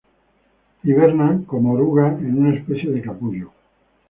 Hiberna como oruga en una especie de capullo.